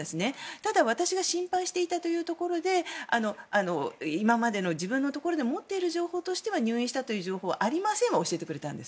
ただ、私が心配していたというところで今までの自分のところで持っている情報としては入院したという情報はありませんと教えてくれたんです。